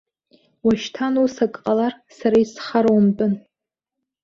Уашьҭан ус ак ҟалар, сара исхароумтәын!